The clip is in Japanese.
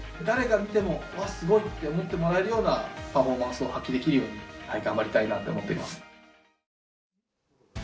誰が見ても「うわ、すごい！」って思ってもらえるようなパフォーマンスを発揮できるように頑張りたいなって思っています。